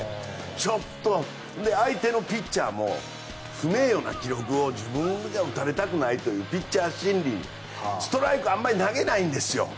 ちょっと相手のピッチャーも不名誉な記録を自分が打たれたくないというピッチャー心理ストライクはあまり投げないんですよ。